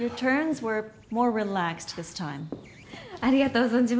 ありがとう存じます。